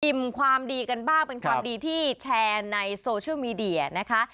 ความดีกันบ้างเป็นความดีที่แชร์ในโซเชียลมีเดียนะคะ